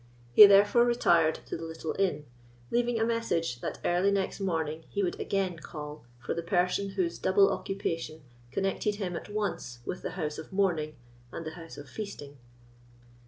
He therefore retired to the little inn, leaving a message that early next morning he would again call for the person whose double occupation connected him at once with the house of mourning and the house of feasting.